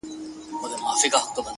وخت د بېتوجهۍ تاوان هېڅکله نه بښي’